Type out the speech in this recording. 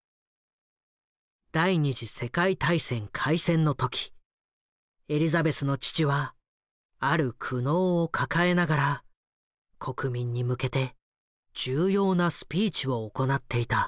第二次世界大戦開戦の時エリザベスの父はある苦悩を抱えながら国民に向けて重要なスピーチを行っていた。